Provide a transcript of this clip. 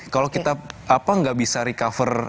kalau kita apa nggak bisa recover